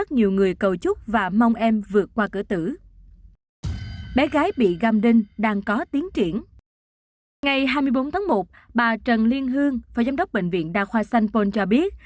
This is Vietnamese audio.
ngày hai mươi bốn tháng một bà trần liên hương phó giám đốc bệnh viện đa khoa sanh pôn cho biết